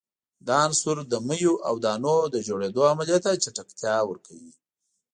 دا عنصر د میو او دانو د جوړیدو عملیې ته چټکتیا ورکوي.